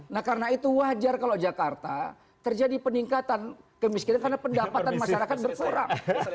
nah karena itu wajar kalau jakarta terjadi peningkatan kemiskinan karena pendapatan masyarakat berkurang